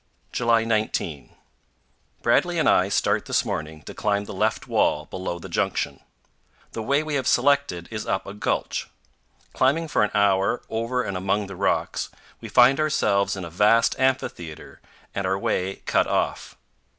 July 19. Bradley and I start this morning to climb the left wall below the junction. The way we have selected is up a gulch. Climbing for an hour over and among the rocks, we find ourselves in a vast amphitheater and our way cut off.